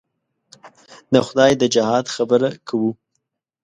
د خدای د جهاد خبره کوو.